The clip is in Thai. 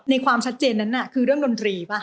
ความชัดเจนนั้นน่ะคือเรื่องดนตรีป่ะ